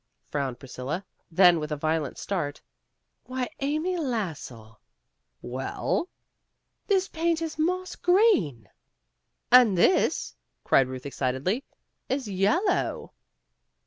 frowned Priscilla. Then with a violent start, "Why, Amy Lassell!'" "Well?" "This paint is moss green." "And this," cried Euth excitedly, "is yellow.